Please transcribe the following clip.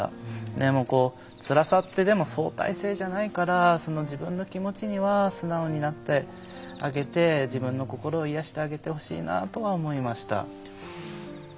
でも、つらさって相対性じゃないから自分の気持ちには素直になってあげて、自分の心を癒やしてあげてほしいなとは思いました。